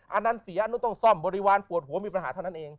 อันนั้นเสียอันนู้นต้องซ่อมบริวารปวดหัวมีปัญหาเท่านั้นเอง